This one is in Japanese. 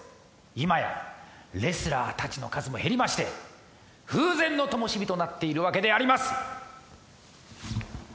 今やレスラー達の数も減りまして風前のともしびとなっているわけであります